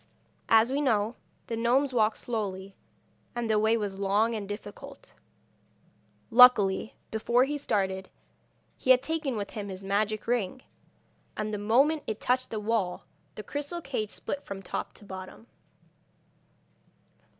As we know, the gnomes walk slowly, and the way was long and difficult. Luckily, before he started, he had taken with him his magic ring, and the moment it touched the wall the crystal cage split from top to bottom.